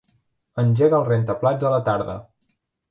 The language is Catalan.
Engega el rentaplats a la tarda.